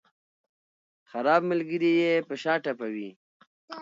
خراب ملګري یې په شاته ټپوي.